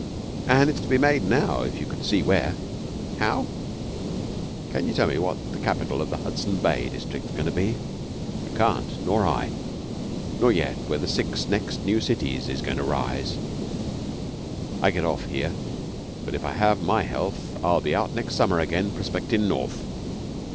And it's to be made now if you could see where. How? Can you tell me what the capital of the Hudson Bay district's goin' to be? You can't. Nor I. Nor yet where the six next new cities is going to arise, I get off here, but if I have my health I'll be out next summer again prospectin' North.'